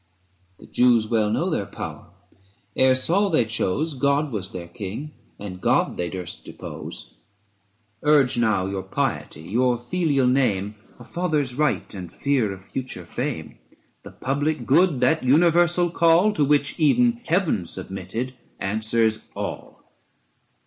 The Jews well know their power: ere Saul they chose God was their King, and God they durst depose. Urge now your piety, your filial name, A father's right and fear of future fame, 420 The public good, that universal call, To which even Heaven submitted, answers all.